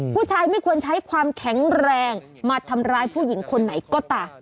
ผู้ชายไม่ควรใช้ความแข็งแรงมาทำร้ายผู้หญิงคนไหนก็ตาม